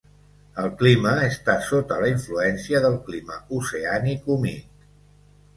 El clima està sota la influència del clima oceànic humit.